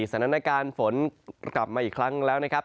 สถานการณ์กลับแล้วนะครับ